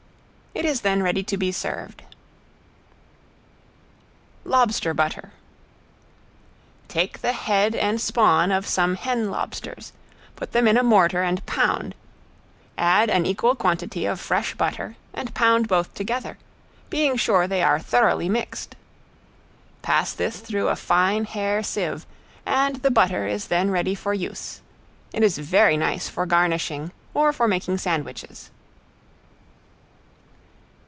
It is then ready to be served. ~LOBSTER BUTTER~ Take the head and spawn of some hen lobsters, put them in a mortar and pound, add an equal quantity of fresh butter, and pound both together, being sure they are thoroughly mixed. Pass this through a fine hair sieve, and the butter is then ready for use. It is very nice for garnishing or for making sandwiches.